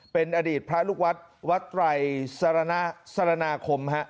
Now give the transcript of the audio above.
เป็นอดีตพระลูกวัดวัดไตรสรณาคมฮะ